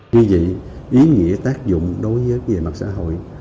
như vậy ý nghĩa tác dụng đối với về mặt xã hội